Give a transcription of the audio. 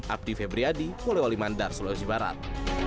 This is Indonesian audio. abdi febriyadi polei wali mandar sulawesi barat